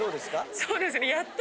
そうですね。